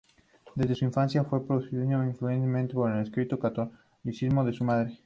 Desde su infancia, fue profundamente influenciada por el estricto catolicismo de su madre.